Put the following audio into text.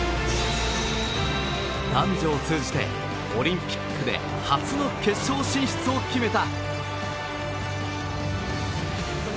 男女通じてオリンピックで初の決勝進出を決めた。